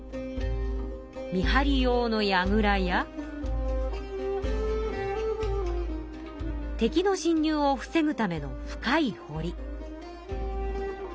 見張り用のやぐらや敵のしん入を防ぐための深いほり。